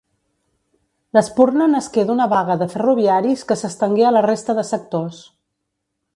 L'espurna nasqué d'una vaga de ferroviaris que s'estengué a la resta de sectors.